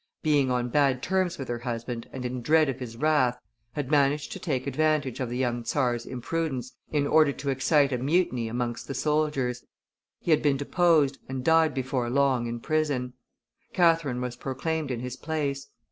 being on bad terms with her husband and in dread of his wrath, had managed to take advantage of the young czar's imprudence in order to excite a mutiny amongst the soldiers; he had been deposed, and died before long in prison. Catherine was proclaimed in his place.